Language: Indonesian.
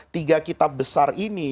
tiga kitab besar ini